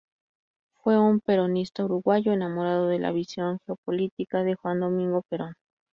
Fue un peronista uruguayo, enamorado de la visión geopolítica de Juan Domingo Perón.